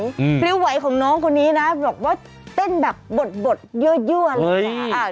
ฟริ้วไหวฟริ้วไหวของน้องคนนี้นะบอกว่าเต้นแบบบดเยอะเลยค่ะ